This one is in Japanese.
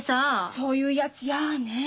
そういうやつやね。